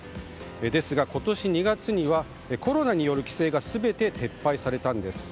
ですが今年２月にはコロナによる規制が全て撤廃されたんです。